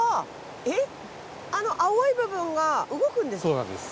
そうなんです。